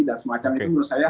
dan semacam itu menurut saya